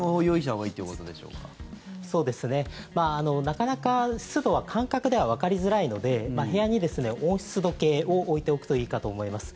なかなか湿度は感覚ではわかりづらいので部屋に温湿度計を置いておくといいかと思います。